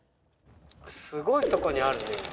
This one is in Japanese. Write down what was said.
すごいとこにあるね。